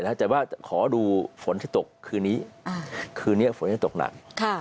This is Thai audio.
แต่ว่าขอดูฝนที่ตกคืนนี้คืนนี้ฝนจะตกหนัก